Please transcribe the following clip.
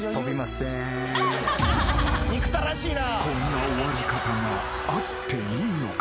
［こんな終わり方があっていいのか？］